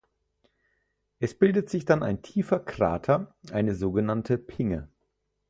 Es bildet sich dann ein tiefer Krater, eine sogenannte "Pinge".